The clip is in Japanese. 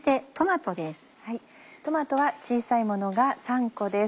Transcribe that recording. トマトは小さいものが３個です。